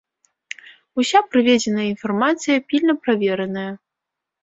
Уся прыведзеная інфармацыя пільна правераная.